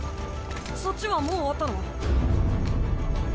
そっちはもう終わったの？